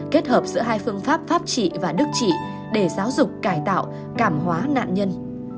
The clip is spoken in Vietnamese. kết hợp giữa hai phương pháp pháp trị và đức trị để giáo dục cải tạo cảm hóa nạn nhân